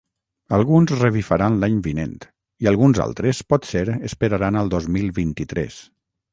Alguns revifaran l’any vinent i alguns altres potser esperaran al dos mil vint-i-tres.